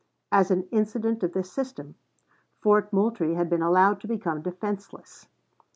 As an incident of this system, Fort Moultrie had been allowed to become defenseless.